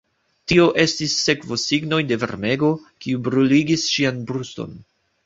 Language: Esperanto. Tio estis sekvosignoj de varmego, kiu bruligis ŝian bruston.